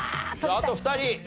あと２人。